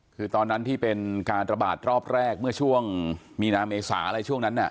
คือตอนนั้นที่เป็นการระบาดรอบแรกเมื่อช่วงมีนาเมษาอะไรช่วงนั้น